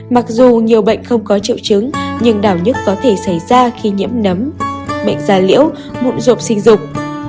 mặc dù nhiều bệnh không có triệu chứng nhưng đau nhất có thể xảy ra khi nhiễm nấm bệnh da liễu mụn rộp sinh dục